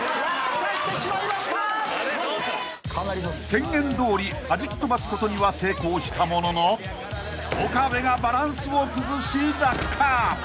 ［宣言どおりはじき飛ばすことには成功したものの岡部がバランスを崩し落下］